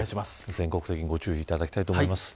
全国的にご注意いただきたいと思います。